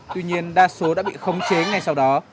tuy nhiên đa số đã bị khống chế ngay sau đó